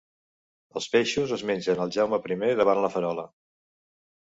Els peixos és mengen el Jaume Primer davant la Farola.